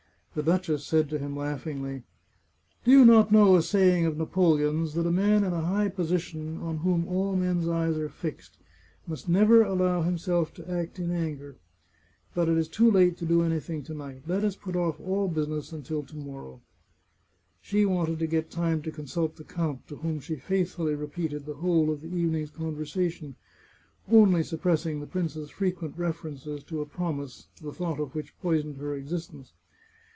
The duchess said to him laughingly :" Do not you know a saying of Napoleon's, that a man in a high position, on whom all men's eyes are fixed, must never allow himself to act in anger? But it is too late to do anything to night. Let us put oflF all business until to morrow." She wanted to get time to consult the count, to whom she faithfully repeated the whole of the evening's conversa tion, only suppressing the prince's frequent references to a promise the thought of which poisoned her existence.